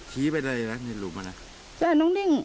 ชี้ไปได้เลยลูกมะเนี่ย